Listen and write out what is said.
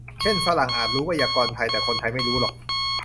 เช่นฝรั่งอาจรู้ไวยากรณ์ไทย แต่คนไทยไม่รู้หรอก